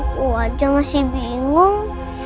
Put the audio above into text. aku aja masih bingung